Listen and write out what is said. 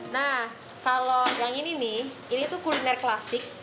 nah kalau yang ini nih ini tuh kuliner klasik